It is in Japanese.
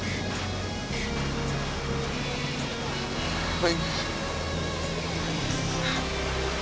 はい。